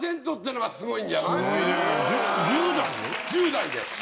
１０代で。